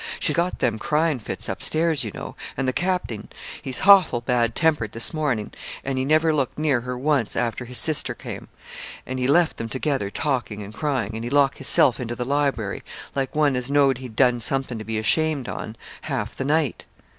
She got them crying fits up stairs, you know; and the capting, he's hoffle bad tempered this morning, and he never looked near her once, after his sister came; and he left them together, talking and crying, and he locked hisself into the library, like one as knowed he'd done something to be ashamed on, half the night.'